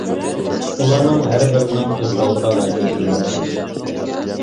ئۇلارنىڭ ھەربىرىنىڭ ئۆز ئالدىغا ۋەزىپىلىرى بار.